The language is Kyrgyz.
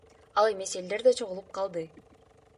Ал эмес элдер да чогулуп калды.